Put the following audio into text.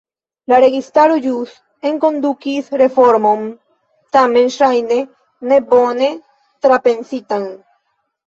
La registaro ĵus enkondukis reformon, tamen ŝajne ne bone trapensitan.